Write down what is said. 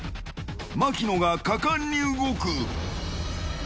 槙野が果敢に動く。